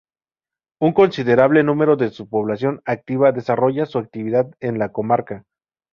Un considerable número de su población activa desarrolla su actividad en la comarca.